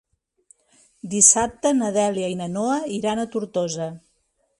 Dissabte na Dèlia i na Noa iran a Tortosa.